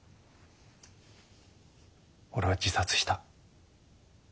俺は自殺した。